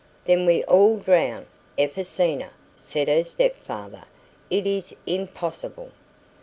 "Then we all drown, Evasinha," said her stepfather. "It is impossible."